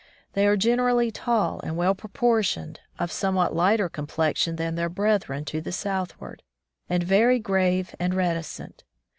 They are generally tall and well propor tioned, of somewhat lighter complexion than their brethren to the southward, and very grave and reticent.